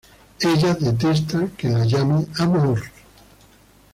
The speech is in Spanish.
Ella detesta que la llame amor.